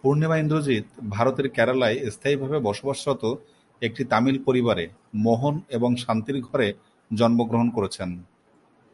পূর্ণিমা ইন্দ্রজিৎ ভারতের কেরালায় স্থায়ীভাবে বসবাসরত একটি তামিল পরিবারে মোহন এবং শান্তির ঘরে জন্মগ্রহণ করেছেন।